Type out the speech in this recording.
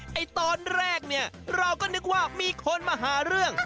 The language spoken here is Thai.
เฮ่ยตอนแรกเราก็นึกว่ามีคนมาหาเรื่อง